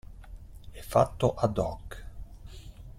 È fatto ad hoc.